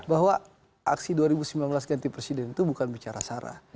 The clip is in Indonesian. bahwa aksi dua ribu sembilan belas ganti presiden itu bukan bicara sarah